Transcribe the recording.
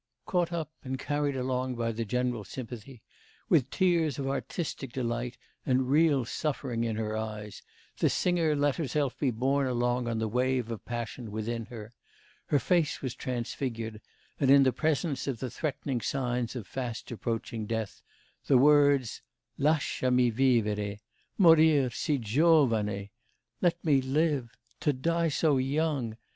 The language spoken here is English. Caught up and carried along by the general sympathy, with tears of artistic delight and real suffering in her eyes, the singer let herself be borne along on the wave of passion within her; her face was transfigured, and in the presence of the threatening signs of fast approaching death, the words: 'Lascia mi vivero morir si giovane' (let me live to die so young!)